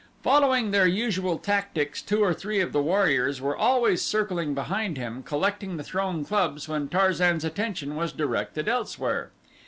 Following their usual tactics two or three of the warriors were always circling behind him collecting the thrown clubs when Tarzan's attention was directed elsewhere.